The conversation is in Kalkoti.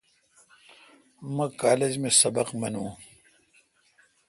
مہ کالج می سبق مینون۔